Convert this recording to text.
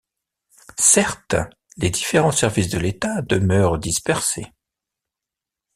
Certes, les différents services de l’État demeurent dispersés.